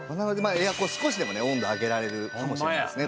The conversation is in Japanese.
エアコンを少しでもね温度を上げられるかもしれないですね